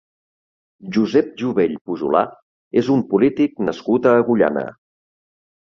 Josep Jovell Pujolà és un polític nascut a Agullana.